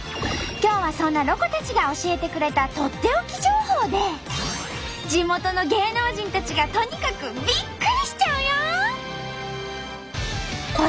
今日はそんなロコたちが教えてくれたとっておき情報で地元の芸能人たちがとにかくビックリしちゃうよ！